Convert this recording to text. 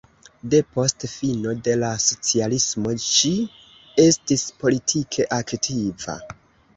Depost fino de la socialismo ŝi estis politike aktiva.